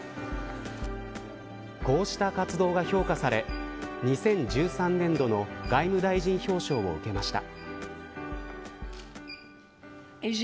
こうした活動が評価され２０１３年度の外務大臣表彰を受けました。